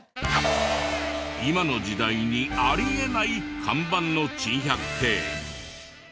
今の時代にありえない看板の珍百景。